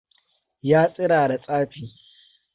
Ya tsirara tsafi.